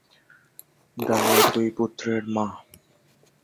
Dahlia দুই পুত্রের মা।